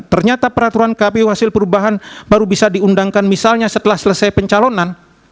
ternyata peraturan kpu hasil perubahan baru bisa diundangkan misalnya setelah selesai pencalonan